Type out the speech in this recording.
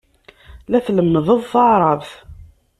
La tlemmed taɛṛabt.